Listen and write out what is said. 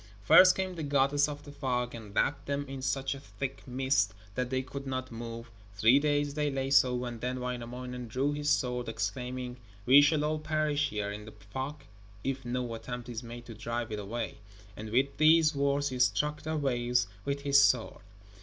First came the goddess of the fog, and wrapped them in such a thick mist that they could not move. Three days they lay so, and then Wainamoinen drew his sword, exclaiming: 'We shall all perish here in the fog if no attempt is made to drive it away,' and with these words he struck the waves with his sword.